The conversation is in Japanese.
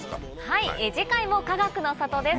はい次回もかがくの里です。